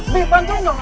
b bantu dong